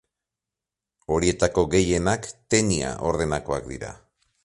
Horietako gehienak Tenia ordenakoak dira.